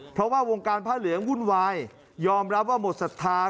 เพราะว่าวงการผ้าเหลืองวุ่นวายยอมรับว่าหมดศรัทธา